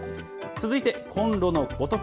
続いて、コンロの五徳。